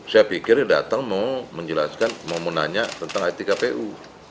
saya pikir datang mau menjelaskan mau menanya tentang itkpu